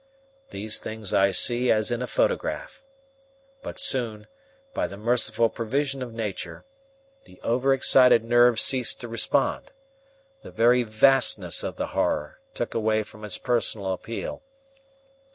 These things I see as in a photograph. But soon, by the merciful provision of nature, the over excited nerve ceased to respond. The very vastness of the horror took away from its personal appeal.